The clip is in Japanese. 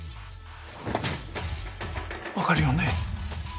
分かるよね？